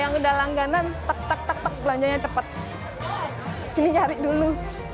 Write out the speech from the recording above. yang slideena langganan tetap buildingnya cepet ini cari lalu